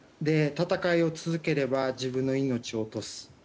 戦いを続ければ自分の命を落とす。